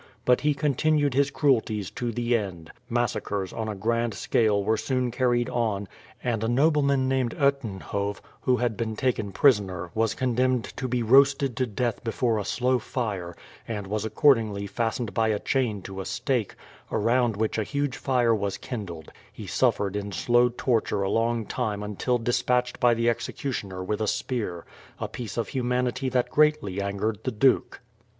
But he continued his cruelties to the end. Massacres on a grand scale were soon carried on, and a nobleman named Uitenhoove, who had been taken prisoner, was condemned to be roasted to death before a slow fire, and was accordingly fastened by a chain to a stake, around which a huge fire was kindled; he suffered in slow torture a long time until despatched by the executioner with a spear, a piece of humanity that greatly angered the duke.